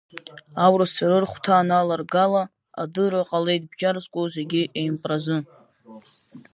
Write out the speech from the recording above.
Аурысцәа рыр хәҭа аналаргала адырра ҟалеит бџьар зку зегьы еимпразы.